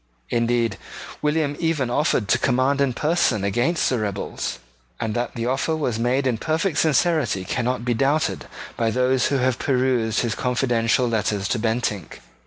Indeed William even offered to command in person against the rebels; and that the offer was made in perfect sincerity cannot be doubted by those who have perused his confidential letters to Bentinck.